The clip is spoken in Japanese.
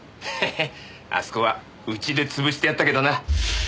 へへへあそこはうちで潰してやったけどな。